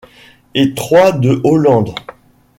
Et trois de Hollande.